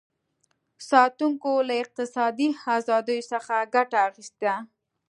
ساتونکو له اقتصادي ازادیو څخه ګټه اخیسته.